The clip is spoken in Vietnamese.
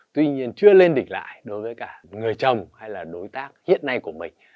tuy nhiên chưa lên đỉnh lại đối với cả người chồng hay là đối tác hiện nay của mình